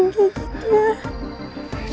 enggak kamu jangan menggigit ibu